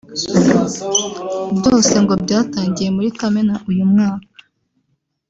Byose ngo byatangiye muri Kamena uyu mwaka